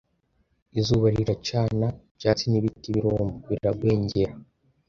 izuba riracana, ibyatsi n'ibiti biruma, biragwengera,